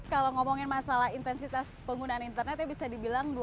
kalau ngomongin masalah intensitas penggunaan internet ya bisa dibilang dua puluh empat x tujuh ya